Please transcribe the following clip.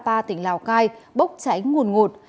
sapa tỉnh lào cai bốc cháy nguồn ngột